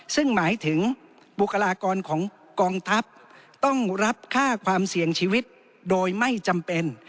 ซึ่งหมายถึงบุคลากรของกองทัพต้องรับค่าความเสี่ยงชีวิตโดยไม่จำเป็น